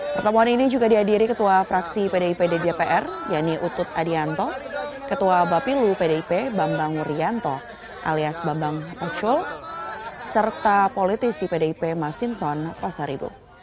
pertemuan ini juga dihadiri ketua fraksi pdip di dpr yanni utut adianto ketua bapilu pdip bambang wuryanto alias bambang ocul serta politisi pdip masinton pasaribu